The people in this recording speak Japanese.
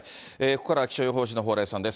ここからは気象予報士の蓬莱さんです。